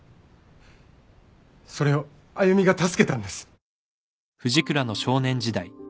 それを歩美が助けたんです。